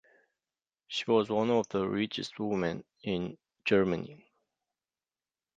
She was one of the richest women in Germany.